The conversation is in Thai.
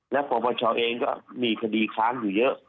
และปปชเองก็มีคดีค้างอยู่เยอะ